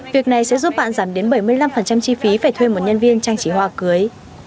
việc này sẽ giúp bạn giảm đến bảy mươi năm chi phí phải thuê một nhân viên trang trí hoa cưới